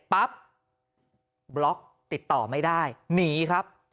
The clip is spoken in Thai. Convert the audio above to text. ปั๊บบล็อกติดต่อไม่ได้หนีครับ